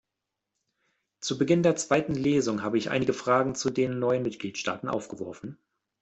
Zu Beginn der zweiten Lesung habe ich einige Fragen zu den neuen Mitgliedstaaten aufgeworfen.